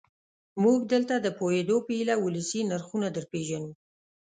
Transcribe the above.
موږ دلته د پوهېدو په هیله ولسي نرخونه درپېژنو.